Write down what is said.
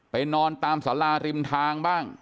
นอนตามสาราริมทางบ้าง